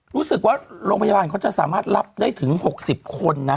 รู้สึกว่าโรงพยาบาลเขาจะสามารถรับได้ถึง๖๐คนนะ